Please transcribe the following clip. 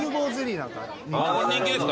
人気ですか。